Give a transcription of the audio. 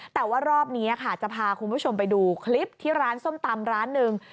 แต่ว่ารอบนี้ค่ะจะพาคุณผู้ชมไปดูคลิปที่ร้านส้มตำร้านหนึ่ง